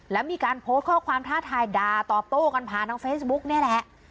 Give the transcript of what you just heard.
แล้วมีการโพสต์ข้อความท้าทายด่าตอบโต้กันผ่านทางเฟซบุ๊กนี่แหละ